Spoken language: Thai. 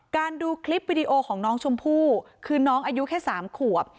ดูคลิปวิดีโอของน้องชมพู่คือน้องอายุแค่๓ขวบ